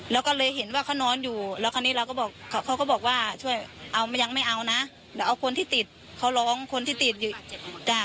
แล้วก็เลยเห็นว่าเขานอนอยู่แล้วคราวนี้เราก็บอกเขาก็บอกว่าช่วยเอายังไม่เอานะเดี๋ยวเอาคนที่ติดเขาร้องคนที่ติดอยู่จ้ะ